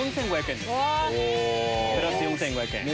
プラス４５００円。